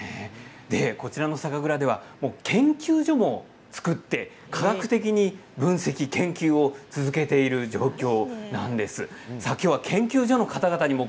こちらの酒蔵では研究所も作って科学的に分析研究を続けているんです。